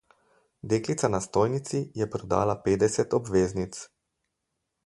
Deklica na stojnici je prodala petdeset obveznic.